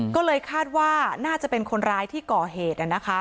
ก็เลยคาดว่าน่าจะเป็นคนร้ายที่ก่อเหตุ